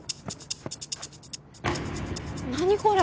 何これ？